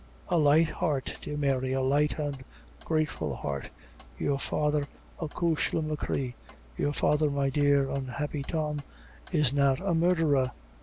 "A light heart, dear Mary a light and a grateful heart. Your father, acushla machree your father, my dear, unhappy Tom, is not a murderer."